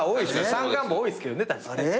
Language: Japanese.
山間部多いですけどね。